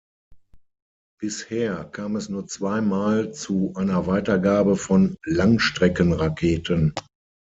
Bisher kam es nur zweimal zu einer Weitergabe von Langstreckenraketen.